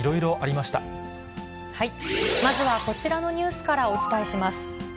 まずはこちらのニュースからお伝えします。